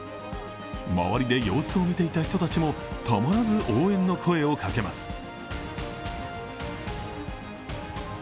周りで様子を見ていた人たちもたまらず、応援の声をかけます。